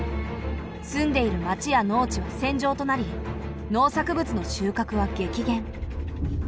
住んでいる街や農地は戦場となり農作物の収穫は激減。